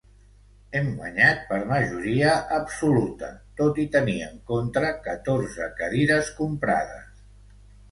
Hem guanyat per majoria absoluta tot i tenir en contra catorze cadires comprades.